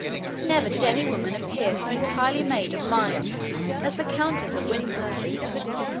Never did any woman appear so entirely made of mind, as the Countess of Windsor.